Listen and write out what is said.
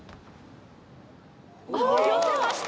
よせました！